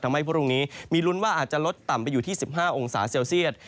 พรุ่งนี้มีลุ้นว่าอาจจะลดต่ำไปอยู่ที่๑๕องศาเซลเซียต